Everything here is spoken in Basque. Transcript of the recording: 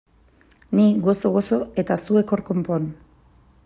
Ni gozo-gozo eta zuek hor konpon!